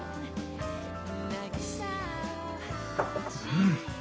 うん！